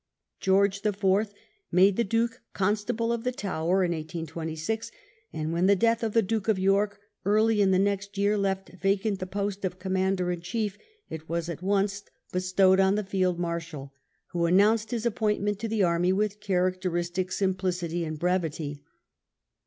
George the Fourth made the Duke Constable of the Tower in 1826 ; and when the death of the Duke of York, early in the next year, left vacant the post of Commander in Chief, it was at once bestowed X THE DUKE AND CANNING 235 on the Field Marshal, who announced his appointment to the army with characteristic simplicity and hreyity.